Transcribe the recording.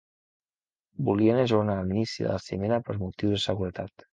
Volien ajornar l'inici de la cimera per motius de seguretat.